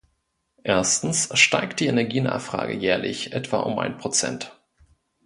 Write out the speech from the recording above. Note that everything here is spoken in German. Erstens steigt die Energienachfrage jährlich etwa um ein Prozent.